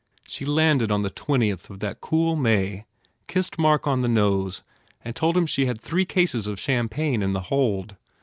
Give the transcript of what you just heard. She landed on the twentieth of that cool May, kissed Mark on the nose and told him she had three cases of champagne in the hold.